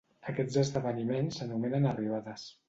Aquests esdeveniments s'anomenen arribadas.